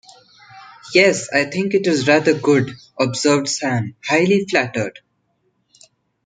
‘Yes, I think it is rather good,’ observed Sam, highly flattered.